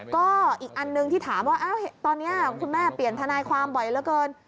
ก็อีกอันหนึ่งที่ถามว่าตอนนี้คุณแม่เปลี่ยนทนายความบ่อยเหลือเกิน